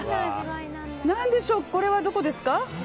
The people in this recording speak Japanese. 何でしょう、これはどこですか？